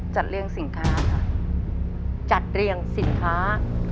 เลียงสินค้าค่ะจัดเรียงสินค้า